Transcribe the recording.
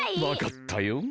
わかったよ。